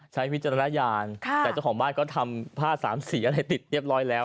วิจารณญาณแต่เจ้าของบ้านก็ทำผ้าสามสีอะไรติดเรียบร้อยแล้ว